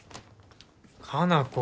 加奈子。